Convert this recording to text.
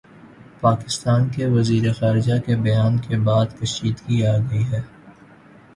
پاکستان کے وزیر خارجہ کے بیان کے بعد کشیدگی آگئی ہے